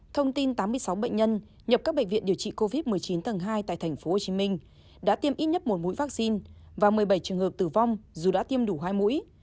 thông tin tám mươi sáu bệnh nhân nhập các bệnh viện điều trị covid một mươi chín tầng hai tại tp hcm đã tiêm ít nhất một mũi vaccine và một mươi bảy trường hợp tử vong dù đã tiêm đủ hai mũi